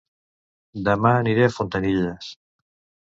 Dema aniré a Fontanilles